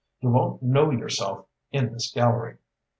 You won't know yourself in this gallery."